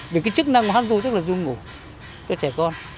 vì cái chức năng của hát ru tức là giông ngủ cho trẻ con